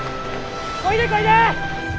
こいでこいで！